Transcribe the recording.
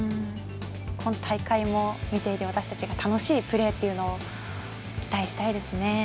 今大会も見ていて私たちが楽しいプレーっていうのを期待したいですね。